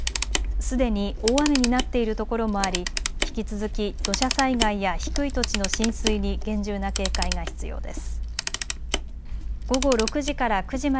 すでに大雨になっているところもあり引き続き土砂災害や低い土地の浸水に厳重な警戒が必要です。